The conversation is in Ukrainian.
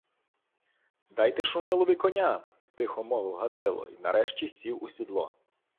— Дайте Шумилові коня, — тихо мовив Гатило й нарешті сів у сідло.